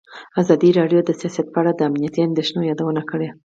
ازادي راډیو د سیاست په اړه د امنیتي اندېښنو یادونه کړې.